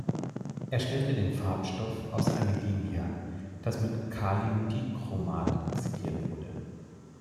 Er stellte den Farbstoff aus Anilin her, das mit Kaliumdichromat oxidiert wurde.